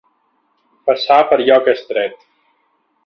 Passar per lloc estret.